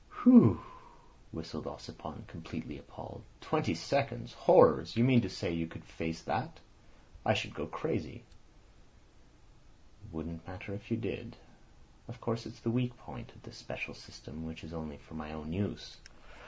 "Phew!" whistled Ossipon, completely appalled. "Twenty seconds! Horrors! You mean to say that you could face that? I should go crazy—" "Wouldn't matter if you did. Of course, it's the weak point of this special system, which is only for my own use.